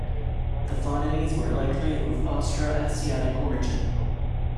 The Funanese were likely of Austroasiatic origin.